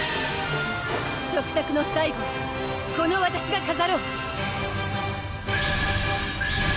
食卓の最後をこのわたしが飾ろう！